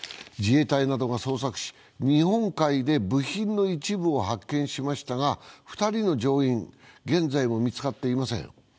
自衛隊などが捜索し、日本海などで部品の一部を発見しましたが２人の乗員、現在も見つかっていません。